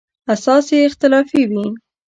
اساس یې اختلافي وي.